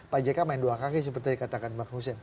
pak jk main dua kaki seperti yang tadi katakan pak hussein